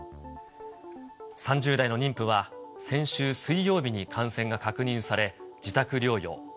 ３０代の妊婦は先週水曜日に感染が確認され、自宅療養。